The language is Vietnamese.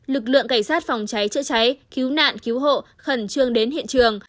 lực lượng cảnh sát phòng cháy chữa cháy cứu nạn cứu hộ khẩn trương đến hiện trường